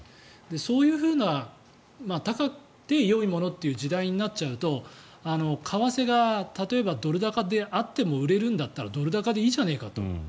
そういうふうな高くてよいものという時代になっちゃうと為替が例えば、ドル高であっても売れるんだったらドル高でいいじゃないかと。